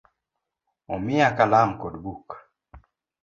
Omiya Kalam kod buk.